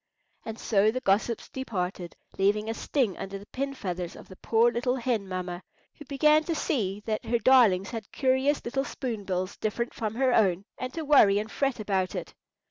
And so the gossips departed, leaving a sting under the pin feathers of the poor little hen mamma, who began to see that her darlings had curious little spoon bills, different from her own, and to worry and fret about it.